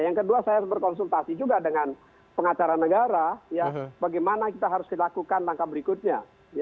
yang kedua saya berkonsultasi juga dengan pengacara negara bagaimana kita harus dilakukan langkah berikutnya